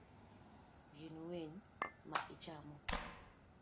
Gin winy ma ichamo?